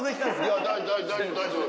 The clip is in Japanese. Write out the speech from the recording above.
いや大丈夫大丈夫。